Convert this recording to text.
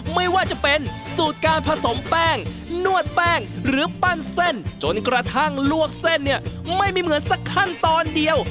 ไม่ว่าจะเป็นสูตรการผสมแป้งนวดแป้งหรือปั้นเส้นจนกระทั่งลวกเส้นเนี่ยไม่มีเหมือนสักขั้นตอนเดียว